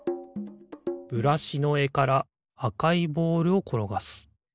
ブラシのえからあかいボールをころがす。